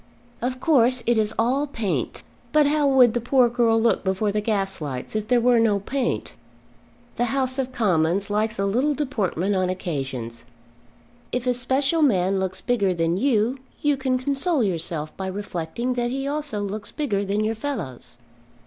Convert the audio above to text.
Of course it is all paint, but how would the poor girl look before the gaslights if there were no paint? The House of Commons likes a little deportment on occasions. If a special man looks bigger than you, you can console yourself by reflecting that he also looks bigger than your fellows.